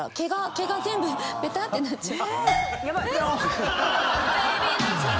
毛が全部ぺたってなっちゃう。